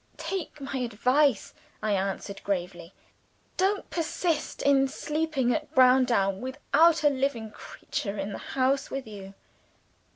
"Take my advice," I answered gravely. "Don't persist in sleeping at Browndown without a living creature in the house with you."